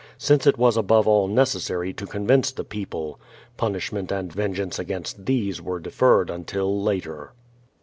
{Since it was above all necessary to couvince the peo |ile, })unishment and vengeance against these were deferred until later.